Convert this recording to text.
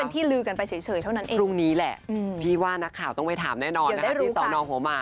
แต่ยังงั้น